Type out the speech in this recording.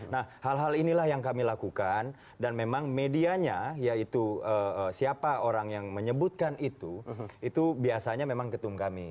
nah hal hal inilah yang kami lakukan dan memang medianya yaitu siapa orang yang menyebutkan itu itu biasanya memang ketum kami